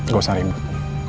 gak usah ribut